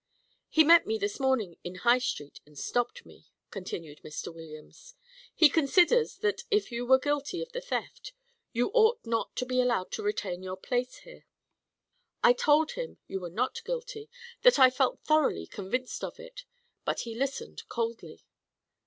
"He met me this morning in High Street, and stopped me," continued Mr. Williams. "He considers that if you were guilty of the theft, you ought not to be allowed to retain your place here. I told him you were not guilty that I felt thoroughly convinced of it; but he listened coldly.